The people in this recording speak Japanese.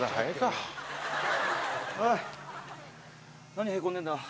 おい何へこんでるんだ？